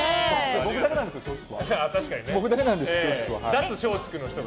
僕だけなんです、松竹は。